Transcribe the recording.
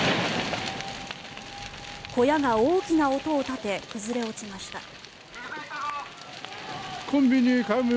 小屋が大きな音を立てて崩れ落ちました。